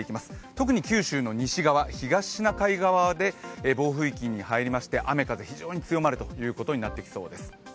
特に九州の西側、東シナ海側で暴風域に入りまして、雨・風非常に強まることになりそうです。